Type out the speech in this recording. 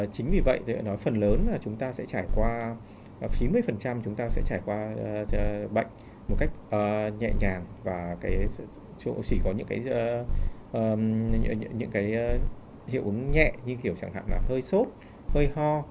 chính vì vậy tôi đã nói phần lớn là chúng ta sẽ trải qua chín mươi chúng ta sẽ trải qua bệnh một cách nhẹ nhàng và chỉ có những cái hiệu ứng nhẹ như kiểu chẳng hạn là hơi sốt hơi ho